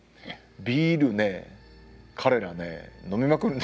ビールね彼らね飲みまくるんですよ。